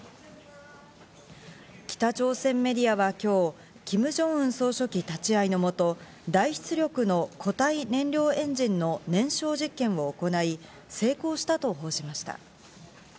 北朝鮮メディアは今日、キム・ジョンウン総書記立ち会いのもと大出力の固体燃料エンジンの燃焼実験を行い、成功したと報じました。